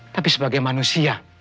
tapi sebagai manusia